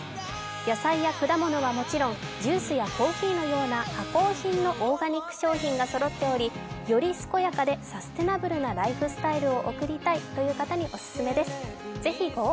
野菜や果物はもちろん、ジュースやコーヒーのような加工品のオーガニック商品がそろっておりより健やかで、サステイナブルなライフスタイルを送りたいという方にオススメです